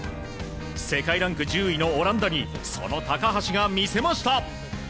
世界ランク１０位のオランダにその高橋が見せました！